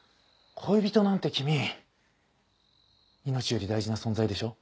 恋人なんて君命より大事な存在でしょう。